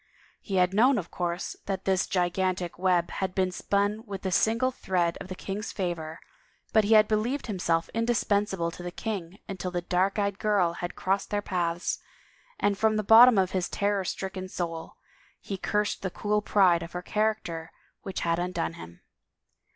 He had known, of course, that this gigantic web had been spun with the single thread of the king's favor, but he had bejieved himself indispensable to the king until the dark eyed girl had crossed their paths, and from the bot tom of his terror stricken soul he cursed the cool pride of her character which had imdone him.